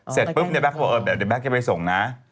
เสร็จปุ๊บเนี่ยแก๊กบอกเออเดี๋ยวแก๊กจะไปส่งนะ